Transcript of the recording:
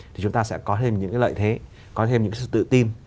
thì chúng ta sẽ có thêm những cái lợi thế có thêm những cái sự tự tin